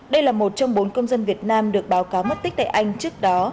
đây là một trong bốn công dân việt nam được báo cáo mất tích tại anh trước đó